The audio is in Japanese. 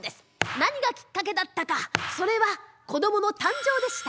何がきっかけだったかそれはこどもの誕生でした。